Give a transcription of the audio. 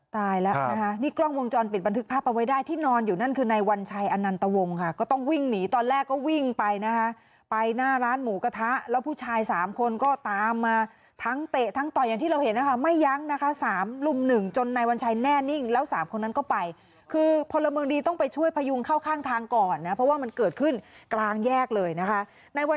ตายแล้วนะคะนี่กล้องวงจรปิดบันทึกภาพเอาไว้ได้ที่นอนอยู่นั่นคือนายวัญชัยอนันตวงค่ะก็ต้องวิ่งหนีตอนแรกก็วิ่งไปนะคะไปหน้าร้านหมูกระทะแล้วผู้ชายสามคนก็ตามมาทั้งเตะทั้งต่อยอย่างที่เราเห็นนะคะไม่ยั้งนะคะสามลุมหนึ่งจนนายวัญชัยแน่นิ่งแล้วสามคนนั้นก็ไปคือพลเมืองดีต้องไปช่วยพยุงเข้าข้างทางก่อนนะเพราะว่ามันเกิดขึ้นกลางแยกเลยนะคะในวัน